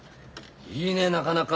いいねなかなか。